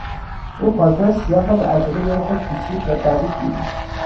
او پالتو سیاه را با عجله دور خود پیچید و دوید بیرون.